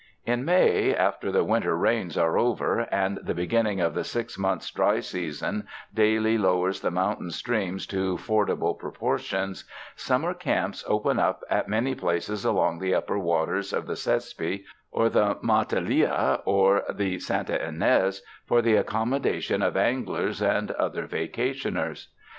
In May, after the winter rains are over and tlie be ginning of the six mouths' dry season daily lowers the mountain streams to fordable ]iroportions, sum mer camps open up at many places along the upper waters of the Sespe or the Matilija or the Santa Ynez, for the accommodation of anglers and other vacationers.